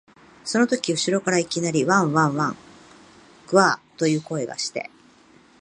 そのとき後ろからいきなり、わん、わん、ぐゎあ、という声がして、